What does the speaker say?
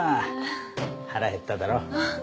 腹減っただろ？